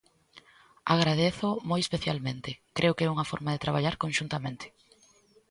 Agradézoo moi especialmente, creo que é unha forma de traballar conxuntamente.